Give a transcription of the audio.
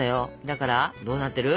だからどうなってる？